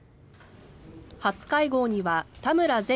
初会合には田村前